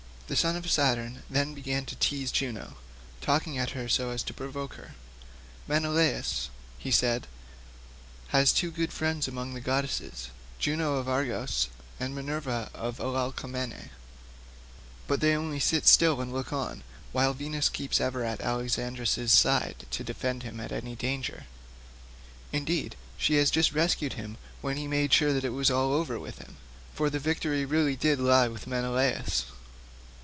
The son of Saturn then began to tease Juno, talking at her so as to provoke her. "Menelaus," said he, "has two good friends among the goddesses, Juno of Argos, and Minerva of Alalcomene, but they only sit still and look on, while Venus keeps ever by Alexandrus' side to defend him in any danger; indeed she has just rescued him when he made sure that it was all over with him—for the victory really did lie with Menelaus.